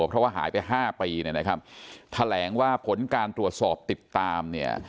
เพราะว่าหายไป๕ปีเนี่ยนะครับแถลงว่าผลการตรวจสอบติดตามเนี่ย